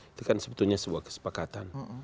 itu kan sebetulnya sebuah kesepakatan